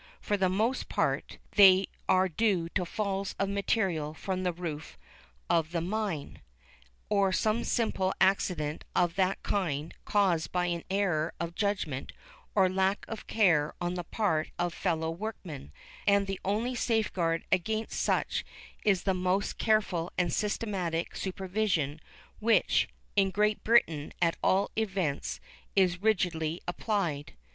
For the most part, they are due to falls of material from the roof of the mine, or some simple accident of that kind, caused by an error of judgment or lack of care on the part of fellow workmen, and the only safeguard against such is the most careful and systematic supervision, which, in Great Britain at all events, is rigidly applied.